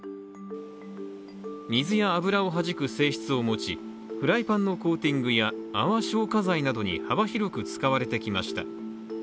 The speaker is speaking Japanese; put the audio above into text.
水や油をはじく性質を持ちフライパンのコーティングや泡消火剤などに幅広く使われてきました。